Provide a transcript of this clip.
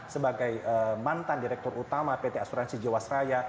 sebagai mantan direktur utama pt asuransi jawa seraya